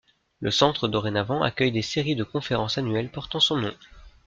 Le centre dorénavant accueille des séries de conférences annuelles portant son nom.